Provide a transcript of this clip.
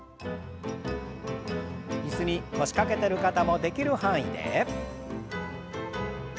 椅子に腰掛けてる方もできる範囲で。